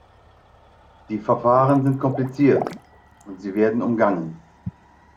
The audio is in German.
Die Verfahren sind kompliziert, und sie werden umgangen.